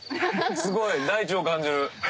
すごい！大地を感じる。